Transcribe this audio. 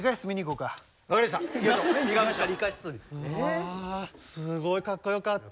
うわすごいかっこよかった。